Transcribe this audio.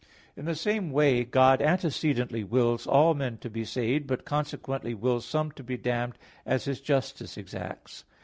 In the same way God antecedently wills all men to be saved, but consequently wills some to be damned, as His justice exacts.